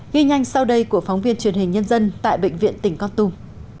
ghi nhanh sau đây của phóng viên truyền hình nhân dân tại bệnh viện tỉnh con tum